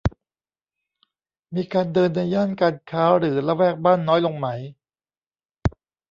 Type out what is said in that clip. มีการเดินในย่านการค้าหรือละแวกบ้านน้อยลงไหม